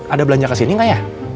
ada belanja kesini gak ya